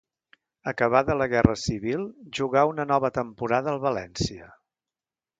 Acabada la Guerra Civil jugà una nova temporada al València.